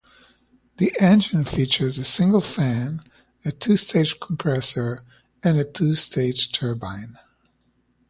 The engine features a single fan, a two-stage compressor and a two-stage turbine.